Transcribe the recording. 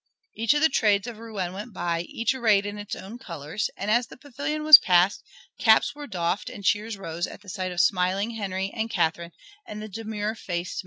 Each of the trades of Rouen went by, each arrayed in its own colors, and as the pavilion was passed caps were doffed and cheers rose at sight of the smiling Henry and Catherine and the demure faced little Mary.